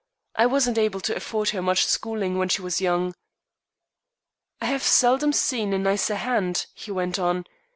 I wasn't able to afford her much schooling when she was young." "I have seldom seen a nicer hand," he went on.